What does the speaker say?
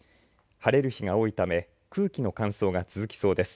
晴れる日が多いため空気の乾燥が続きそうです。